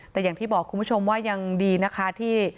แต่อย่างที่บอกคุณผู้ชมว่ายังดีนะคะที่